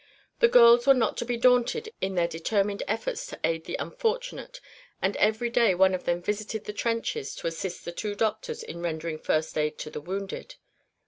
The girls were not to be daunted in their determined efforts to aid the unfortunate and every day one of them visited the trenches to assist the two doctors in rendering first aid to the wounded.